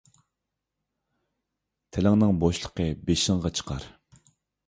تىلىڭنىڭ بوشلۇقى بېشىڭغا چىقار.